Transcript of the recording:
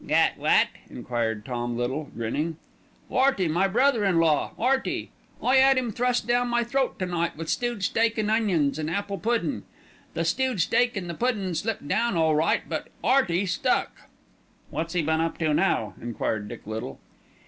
"Got what?" enquired Tom Little, grinning. "'Earty, my brother in law, 'Earty. I 'ad 'im thrust down my throat to night with stewed steak and onions an' apple puddin'. The stewed steak and the puddin' slipped down all right; but 'Earty stuck." "What's he been up to now?" enquired Dick Little.